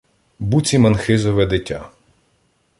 Буцім Анхизове дитя